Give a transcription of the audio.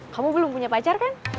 kamu belum punya pacar kan